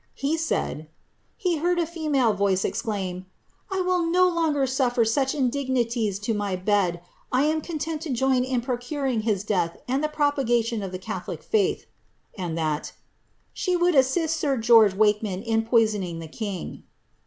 He said ^ he heard • female voice exclaim, ^ I will no longer sufler such indignities to my bed. I am contrnt to join in procuring his death and the propagation of the catholic faith,' and that ^ she would assist sir Gcoige Wakeaian in poison ing the king.'